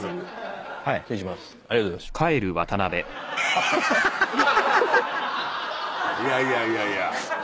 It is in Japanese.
いやいやいやいや。